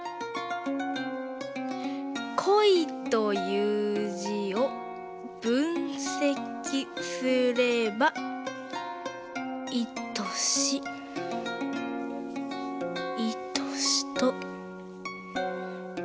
戀という字を分析すればいとしいとしと。